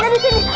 nih dikit disini